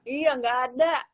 iya gak ada